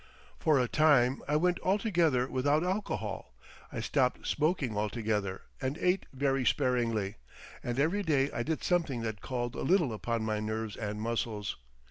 For a time I went altogether without alcohol, I stopped smoking altogether and ate very sparingly, and every day I did something that called a little upon my nerves and muscles.